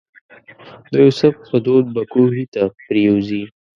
د یوسف په دود به کوهي ته پرېوځي.